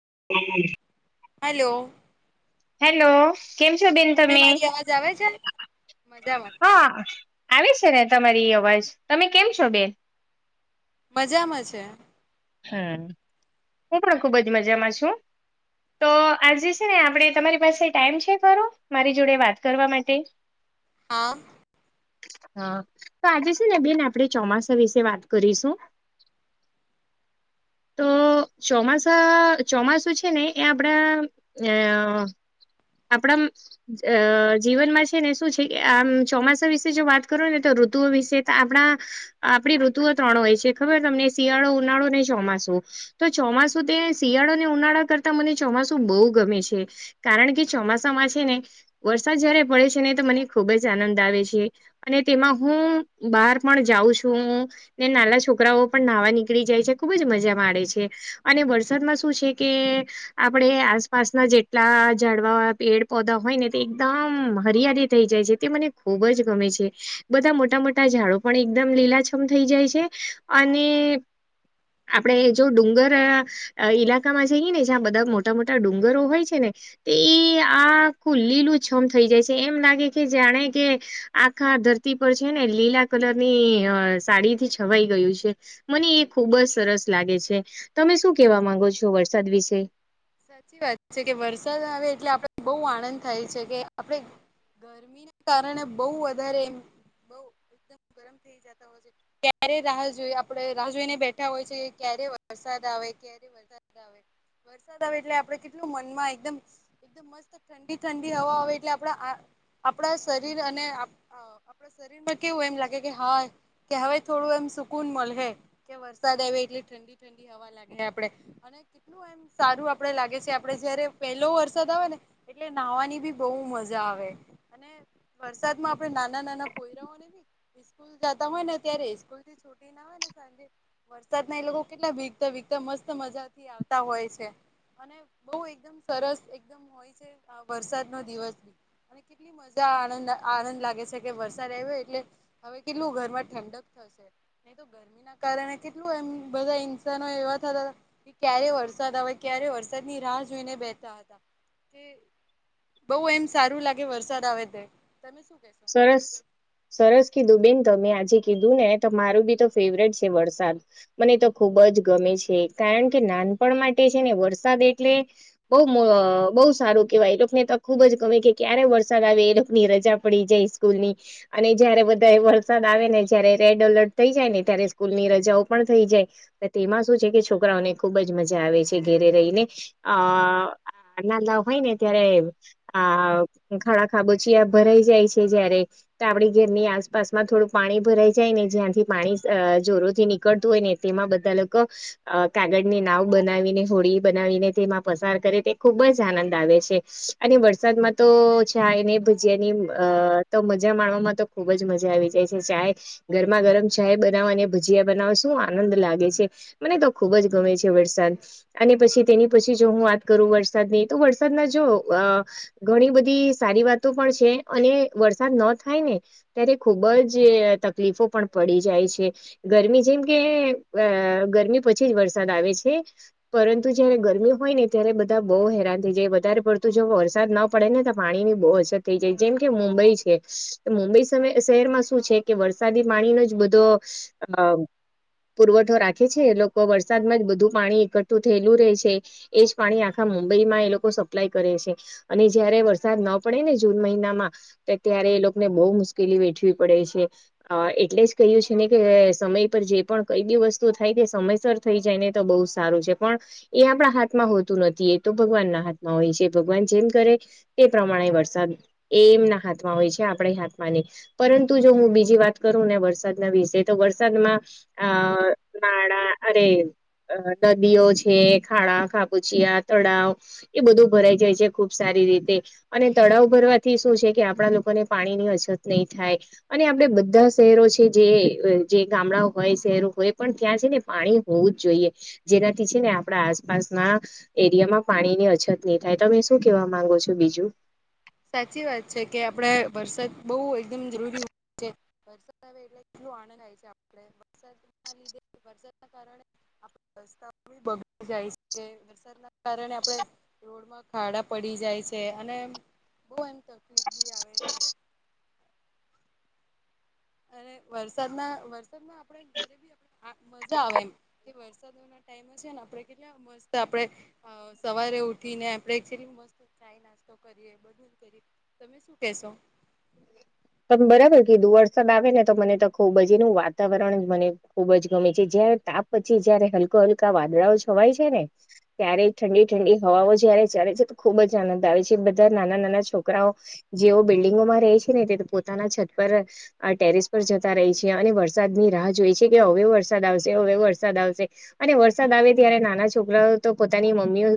[unintelligible] Hello hello. કેમ છો બેન તમે મારી અવાજ આવે છે મજામાં હા આવી છે ને. તમારી અવાજ તમે કેમ છો બેન. મજામાં છે. હ, હું પણ ખુબ જ મજામાં છું. તો આજે છે ને આપણે તમારી પાસે ટાઈમ છે ખરો મારી જોડે વાત કરવા માટે. હા. હા તો આજે છે ને બેન આપણે ચોમાસા વિશે વાત કરીશું. [inaudible] તો ચોમાસા ચોમાસું છે ને એ આપણા અ. આપણામ અ જીવનમાં છે ને શું છે કે આમ ચોમાસા વિશે જો વાત કરો ને તો રો ઋતુઓ વિશે તો આપણા આપણી ઋતુઓ ત્રણ હોય છે ખબર તમને શિયાળો ઉનાળો ને ચોમાસું. તો ચોમાસું તે શિયાળો ને ઉનાળા કરતા મને ચોમાસું બહુ ગમે છે કારણ કે ચોમાસામાં છે ને વરસાદ જયારે પડે છે ને તો મને ખુબ જ આનંદ આવે છે અને તેમાં હું હું બહાર પણ જાઉં છું હું ને નાના છોકરાઓ પણ નાહવા નીકળી જાય છે ખુબ જ મજા મા પડે છે અને વરસાદમાં શું છે કે આપણે આસપાસના જેટલા ઝાડ વા પેડ પોઘા હોય ને એકદમ હરિયાળી થઈ જાય છે તે મને ખુબ જ ગમે છે. બ બધા મોટા મોટા ઝાડો પણ એકદમ લીલાછમ થઈ જાય છે અને. આપણેે જો ડુંગર અ ઈલાકામાં જઈએ ને જ્યાં બધા મોટા મોટા ડુંગરો હોય છે ને. તે આ. આખું લીલુંછમ થઈ જાય છે એમ લાગે કે જાણે કે આખા ધરતી પર છે ને લીલા કલર ની અ સાડી થી છવાઈ ગયું છે મને એ ખુબ જ સરસ લાગે છે. તમે શું કેવા માંગો છો વરસાદ વિશે. સાચી વાત છે કે વરસાદ આવે એટલે આપડ બહુ આનંદ થાય છે કે આપડે ગરમી ના કારણે બહુ વધારે એમ બહુ એકદમ. ગરમ થઈ જતા હોય છે ક્યારે રાહ જોઈ આપણે રાહ જોઈને બેઠા હોય છે ક્યારે વરસાદ આવે. ક્યારે વરસાદ આવે, વરસાદ આવે એટલે આપડ કેટલું મનમાં એકદમ એકદમ મસ્ત ઠંડી ઠંડી હવા આવે એટલે આપડા આ આપણા શરીર અને આ અ આપણા શરીરમાં કેવું એમ લાગે કે હા કહેવાય થોડું એમ. સુકૂન મલહે કે વરસાદ આવે એટલે ઠંડી ઠંડી હવા લાગે આપડે અને કેટલું એમ. સારું આપડે લાગે છે આપડે જયારે પહેલો વરસાદ આવે ને એટલે નાહવાની બી બહુ મજા આવે. અને. વરસાદ માં આપડે નાના નાના પોઈરા ઓ ને બી ઈસ્કૂલ જતા હોય ને ત્યારે ઈ સ્કૂલ થી છુટી ને આવે ને. સાંજે વરસાદના એ લોકો કેટલા ભીગતા ભીગતા મસ્ત મજાથી આવતા હોય છે. અને બહુ એકદમ સરસ એકદમ હોય છે, આ વરસાદ નો દિવસ ભી અને કેટલી મજા આવે. આનંદ લા આનંદ લાગે છે, કે વરસાદ આવ્યો એટલે હવે કેટલું ઘરમાં ઠંડક થશે નહી. ગરમી ના કારણે કેટલું એમ બધા ઇન્સાનો એવા થતા કે ક્યારે વરસે. વરસાદ હવે ક્યારે વરસાદ ની રાહ જોઈને બેતા હતા. બઉ એમ સારું લાગે વરસાદ આવે તે. તમે શું કેશો સરસ સરસ કીઘુ બેન. તમે આજે કીધું ને તો મારું બી તો ફેવરેટ છે, વરસાદ મને તો ખુબ જ ગમે છે. કારણ કે નાનપણ માટે છે, ને વરસાદ એટલે બહુ મ બહુ સારું કેવાય એલોકને તો. ખુબ જ ગમે કે ક્યારે વરસાદ આવે એ લોકોની રજા પડી જાય સ્કૂલ ની અને જયારે બધા વરસાદ આવે ને જયારે રેડ એલર્ટ થઈ જાય ને ત્યારે સ્કૂલ ની રજાઓ પણ થઈ જાય તેમાં શું છે કે છોકરાઓને ખુબ જ મજા આવે છે ઘેરે રહીને અ નાલા હોય ને ત્યારે આ ખાડા ખાબોચીયા ભરાઈ જાય છે જયારે તો આપડી ઘરની આસપાસમાં થોડું પાણી ભરાઈ જાય ને જ્યાંથી પાણી અ જોર થી નીકળતું હોય ને તેમાં બધા લોકો અ કાગળની નાવ બનાવીને હોળી બનાવીને તેમાં પસાર કરે તે ખુબ જ આનંદ આવે છે, અને વરસાદમાં તો છે, એને ભજીયાની અ તો મજા માણવામાં તો ખુબ જ મજા આવી જાય છે, ચાય ગરમા ગરમ ચાય બનાવા અને ભજી જીયા બનાવો શું આનંદ લાગે છે, મને તો ખુબ જ ગમે છે વરસાદ અને પછી તેની પછી જો હું વાત કરું વરસાદની તો વરસાદમાં જો અ ઘણી બધી સારી વાતો પણ છે અને વરસાદ ન થાય ને ત્યારે ખુબ જ તકલીફો પણ પડી જાય છે. ગરમી જેમ કે અ ગરમી પછી જ વરસાદ આવે છે પરંતુ જયારે ગરમી હોય ય ને ત્યારે બધા બહુ હેરાન થઈ જાય વધારે પડતું જો વરસાદ ના પડે ને તો પાણી ની બહુ અછત થઈ જાય જેમ કે મુંબઈ છે, મુંબઈ શહેરમાં શું છે કે વરસાદી પાણીનો જ બધો હા. પુરવઠો રાખે છે, લોકો વરસાદમાં જ બધું પાણી એકઠું થયેલું રહે છે, એજ પાણી આખા મુંબઈમાં એ લોકો સપ્લાય કરે છે, અને જયારે વરસાદ ન પડે ને જૂન મહિના મા ત્યારે એ લોકોને બહુ મુશ્કેલી વેઠવી પડે છે, એટલે જ કહ્યું છે ને કે સમય પર જે પણ કઈ બી વસ્તુ થાય કે સમયસર થઈ જાય ને તો બહુ સારું છે, પણ એ આપણા હાથ મા હોતું નથી એ તો ભગવાન ના હાથમાં હોય છે, ભગવાન જેમ કરે તે પ્રમાણે વરસાદ એ એમના હાથમાં હોય છે, આપણે હાથમાંની પરંતુ જો હું બીજી વાત કરું ને વરસાદના વિશે તો વરસાદમાં અ નાળા અરે અ નદીઓ છે, ખાણા ખાબુચિયા તળાવ એ બધું ભરાઈ જાય છે, ખુબ સારી રીતે અને તળાવ ભરવા થી શું છે કે આપણા લોકોને પાણી ની અછત નહીં થાય અને આપડે બધા શહેરો છે જે જે ગામડા હોય શહેરો હોય પણ ત્યાં છે ને પાણી હોવું જ જોઈએ જેનાથી છે ને આપડા આસપાસ ના એરિયામાં પાણીની અછત નહી થાય તમે શું કેવા માંગો છો બીજું? સાચી વાત છે, કે આપડે વરસાદ બઉ એકદમ જરૂરી હોય આવે એટ કેટલું આનંદ છે, આપડે વરસાદ ના લીધે વરસાદ ના કારણે રસ્તા. બગડી જાય છે, વરસાદના કારણે આપણે રોડમાં ખાડા પડી જાય છે અને બહુ એમ તકલીફ બી આવે છે અને વરસાદના વરસાદમાં આપડે ઘરે બી આપ આ મજા આવે એમ કે વરસાદ ના ટાઈમ છે ને આપડે કેટલા મસ્ત આપડે સવારે ઉઠીને આપડે મસ્ત ચાય નાસ્તો કરીએ બધું જ કરીએ તમે શું કેશો? [inaudible] બરાબર કે કીઘુ વરસાદ આવે ને તો મને તો ખુબ જ એનું વાતાવરણ મને ખુબ જ ગમે છે, જ્યાં તાપ પછી જયારે હલકો હલકા વાદળાઓ છવાય છે ને ત્યારે ઠંડી ઠંડી હવાઓ જયારે ચડે છે, તો ખુબ જ આનંદ આવે છે, બધા નાના નાના છોકરાઓ જેવો બિલ્ડિંગોમાં રહે છે. પોતાના છત પર અ ટેરેસ પર જતા રહી છે, અને વરસાદ ની રાહ જોએ છે, કે હવે વર સાદ આવશે હવે વરસાદ આવશે અને વરસાદ આવે ત્યારે નાના છોકરાઓ તો પોતાની મમ્મીઓ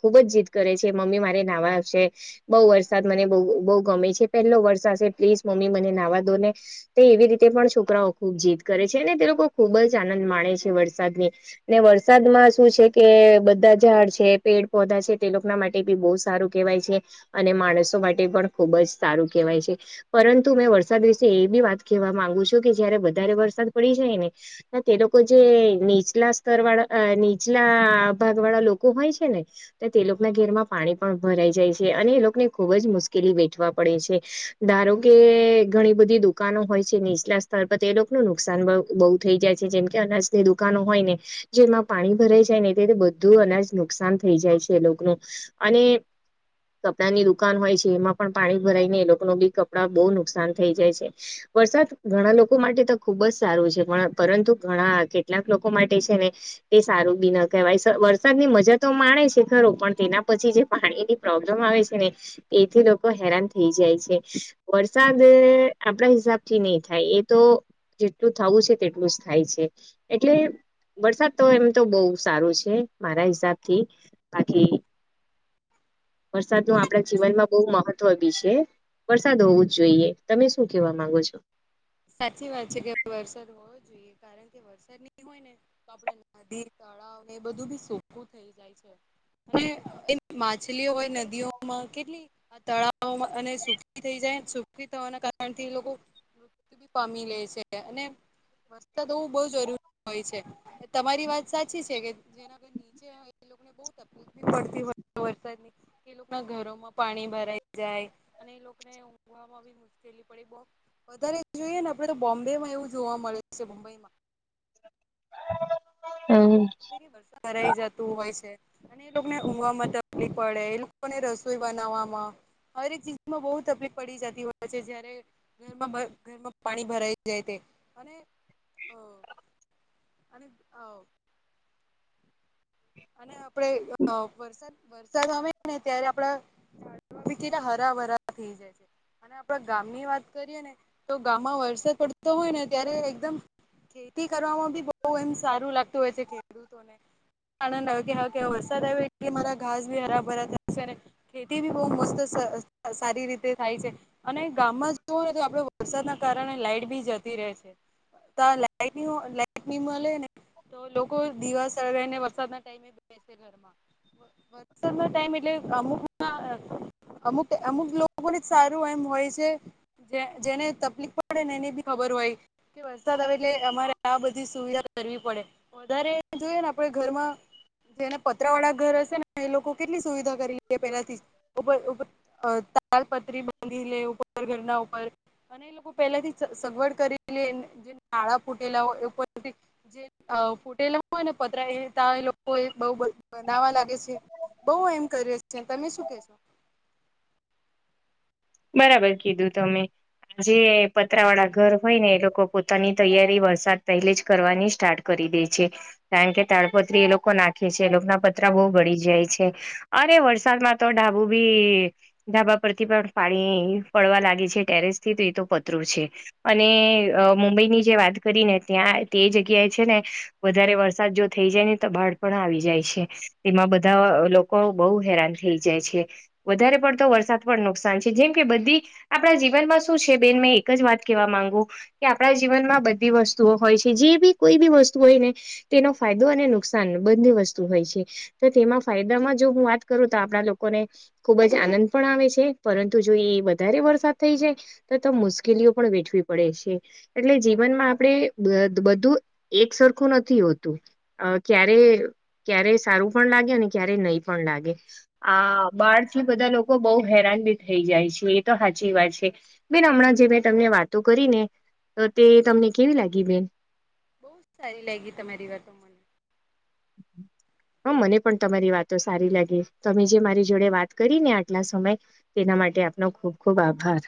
ખુબ જ જીદ કરે છે, મમ્મી મારે નાહવા આવશે બહુ વરસાદ મને બઉ બહુ બહુ ગમે છે, પહેલો વર સાસે પ્લીઝ મમ્મી મને નાવા દો ને એવી રીતે પણ છોકરાઓ ખુબ જીદ કરે છે અને તે લોકો ખૂબ બહુજ આનંદ માણે છે વરસાદની ને વરસાદમાં શું છે કે બધા ઝાડ છે પેડ પો ધા છે તે લોકના માટે બી બહુ સારું કેહેવાય છે અને માણસો માટે પણ ખુબ જ સારું કેહેવાય છે. પરંતુ મેં વરસાદ વિશે એ બી વાત કેવા માંગુ છું કે જયારે વધારે વરસાદ પડી જાય ને. તે લોકો જે નીચલા સ્તર વાળા અ નીચલા ભાગ વાળા લોકો હોય છે ને. તે લોકના ઘેરમાં પાણી પણ ભરાઈ જાય છે અને એ લોકોને ખુબ જ મુશ્કેલી વેઠવા પડે છે. ધારો કે ઘણી બધી દુકાનો હોય છે નીચલા સ્થળ પર તે લોકો ન નુકસાન બવ બહુ થઈ જાય. છે જેમ કે અનાજની દુકાનો હોય ને જે એમાં પાણી ભરાઈ જાય ને તેથી બધું અનાજ નુકસાન થઈ જાય. છે લોક નો અને કપડાની દુકાન હોય છે એમાં પણ પાણી ભરાઈને એ લોકોનો બી કપડા બહુ નુકસાન થઈ જાય છે વરસાદ ઘણા લોકો માટે તો ખુબ જ સારું છે પ પણ પરંતુ. ઘણા કેટલાક લોકો માટે છે ને એ સારું બી ન કહેવાય વરસાદ ની મજા તો માણે છે. ખરો પણ તેના પછી જે પાણી ની પ્રોબ્લેમ આવે છે ને તેથી લોકો હેરાન થઈ જાય છે. વરસાદ આપડા હિસાબથી નહી થાય એ તો જેટલું થવું છે તેટલું જ થાય છે એટલે વરસાદ તો એમ તો બહુ સારો છે મારા હિસાબથી બાકી વરસાદ નુ આપડા જીવનમાં બહુ મહત્વ બી છે. વરસાદ હોવું જ જોઈએ તમે શું કેવા માંગો છો? સાચી વાત છે કે વરસાદ હોવો જોઈએ કારણ કે વરસાદ ની હોય ને તો આપડા નદી ત તળાવ ને એ બધું બી સુકુ થઈ જાય છે. અને એ માછલીઓ હોય નદીઓમાં કેટલી તળાવમાં અને સુખી થઈ જાય સુખી થવાના કારણ થી લોકો મૃત્યુ બી પામી લે છે અને વરસાદ હોવું બઉ જરૂરી હોય છે. તમારી વાત સાચી છે કે જેના ઘર નીચે હોય એ લોક બહુ તકલીફ પડતી હોય વરસાદની એ લોકો ના ઘરોમાં પાણી ભરાઈ જાય અને ને ઉઘવામાં મુશ્કેલી પડી બહુ વધારે જોઈએ ને આપડે તો બોમ્બે માં એવું જોવા મળે છે મુબઈમાં. [inaudible] વરસાદ ભરાઈ જતું હોય છે. અને એ લોકોને ઊમવામાં તકલીફ પડે એ લોકોને રસોઈ બનાવવામાં હરે એક ચીજમાં બહુ તકલીફ પડી જતી હોય છે જયારે ઘરમાં ઘરમાં પાણી ભરાઈ જાય તે. અને [inaudible] અને અ અને આપડે અ વરસાદ વરસાદ આવે ને ત્યારે આપડા ઝાડવા ભી કેટલા હરા વધાર થઈ જાય છે. અને આપણા ગામની વાત કરીએ ને તો ગામમાં વરસાદ પડતો હોય ને ત્યારે એકદમ ખેતી કરવામાં બી બહુ એમ સારું લાગતું હોય છે ખેડૂતોને. આનંદ આયો કે હા કે વરસાદ આવે કે મારા ઘાસ ભી હરા ભરા થશે અને ખેતી ભી બહુ મસ્ત અ અ સારી રીતે થાય છે અને ગામમાં જોવો ને તો આપડો વરસાદના કારણે લાઈટ બી જતી રે છે. તા લાઈટ લાઈટ ની મલે ને તો લોકો દીવા સળાગાઈને વરસાદ ના ટાઈમે બેસે ઘરમાં વરસાદ નો ટાઈમ એટલે અમુકના અમુક અમુક લોકોને જ સારું એમ હોય છે. જે જેને તકલીફ પડેને એને બી ખબર હોય કે વરસાદ આવે એટલે અમારે આ બધી સુવિધા કરવી પડે વધારે જોઈએ ને આપડે ઘરમાં જેના પત્રા વાળા ઘર હશે ને એ લોકો કેટલી સુવિધા કરી લે પેલાથી ઉપર ઉપર અ તાડપત્રી બાંધી લે ઉપર ઘરના ઉપર. અને એ લોકો પહેલા થી સગવડ કરી લે જે નાળા ફૂટેલા હોય એ જે હ ફૂટેેલા હોય ને પત્રા એ તા એ લોકો એ બઉ બધ બનાવા લાગે છે બઉ એમ કરી છે તમે શું કેશો. [inaudible] બરાબર કીધું તમે. જે પતરા વાળા ઘર હોય ને એ લોકો પોતાની તૈયારી વરસાદ પહેલે જ કરવાની સ્ટાર્ટ કરી. દીધી છે કારણ કે તાડપત્રી એ લોકો નાખે છે એ લોકો ના પતરા બહુ બળી જાય છે અરે. વરસાદ માં તો ઢાબું ભી ઢાબા પરથી પણ. પાણી પડવા લાગે છે ટેરેસ થી તે એ તો પતરું છે અને એ મુંબઈની જે વાત. કરીને ત્યાં તે જગ્યાએ છે ને વધારે વરસાદ જો થઈ જાય ને તો બાઢ પણ આવી જાય છે. તેમાં બધા લોકો બહુ હેરાન થઈ જાય છે વધારે પડતો વરસાદ પણ નુકસ જેમ કે બધી આપણા જીવનમાં શું છે બેન મેં એક જ વાત કેવા માંગુ કે આપણા જીવનમાં. બધી વસ્તુઓ હોય છે જે બી કોઈ બી વસ્તુ હોય ને તેનો ફાયદો અને નુકસાન બંને વસ્તુ હોય. છે તો તેમાં ફાયદામાં જો હું વાત કરું તો આપણા લોકોને ખુબ જ આનંદ પણ આવે છે. પરંતુ જો એ વધારે વરસાદ થઈ જાય તો મુશ્કેલીઓ પણ વેઠવી પડે છે એટલે જીવન જીવનમાં આપણે બધું એક સરખું નથી હોતું અ ક્યારે સારું પણ લાગે અને ક્યારે નહીં પણ લાગે આ બાર થી બધા લોકો બવ હેરાન થઈ જાય છે એ તો હાચી વાત છે બેન હમણાં જે મેં તમને વાતો કરી ને તો તે તમને કેવી લાગી બેન બોવ જ સારી લાગી તમારી વાતો મને [unintelligible] હા મને પણ તમારી વાતો સારી લાગી તમે જે મારી જોડે વાત કરી ને આટલા સમય તેના માટે આપનો ખૂબ ખૂબ આભાર